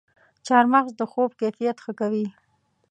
چارمغز د خوب کیفیت ښه کوي.